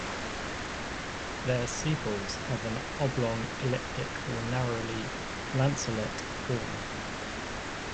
Their sepals have an oblong, elliptic, or narrowly lanceolate form.